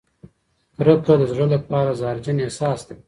کرکه د زړه لپاره زهرجن احساس دی.